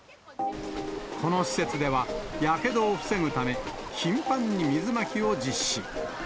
この施設ではやけどを防ぐため、頻繁に水まきを実施。